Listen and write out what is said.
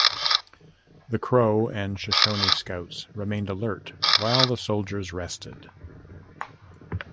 The Crow and Shoshone scouts remained alert while the soldiers rested.